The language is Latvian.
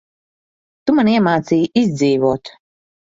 Tu man iemācīji izdzīvot.